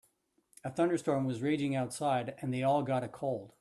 A thunderstorm was raging outside and they all got a cold.